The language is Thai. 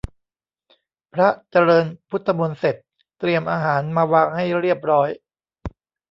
พระเจริญพุทธมนต์เสร็จ เตรียมอาหารมาวางให้เรียบร้อย